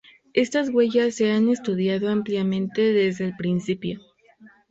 Estas huellas se han estudiado ampliamente desde el principio.